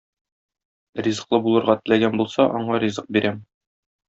Ризыклы булырга теләгән булса, аңа ризык бирәм.